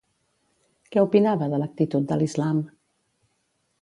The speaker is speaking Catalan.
Què opinava de l'actitud de L'Islam?